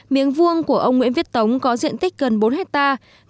miếng vuông của ông nguyễn viết tống có diện tích gần bốn hectare